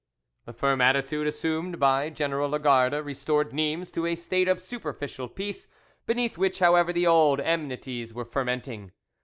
The firm attitude assumed by General Lagarde restored Nimes to a state of superficial peace, beneath which, however, the old enmities were fermenting.